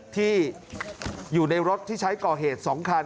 ที่อยู่ในรถที่ใช้ก่อเหตุ๒คัน